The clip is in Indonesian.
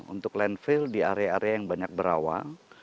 untuk landfill di area area yang banyak berawal